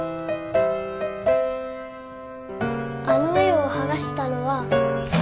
あの絵をはがしたのは。